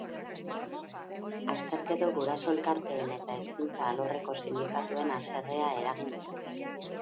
Azterketok guraso elkarteen eta hezkuntza alorreko sindikatuen haserrea eragin dute.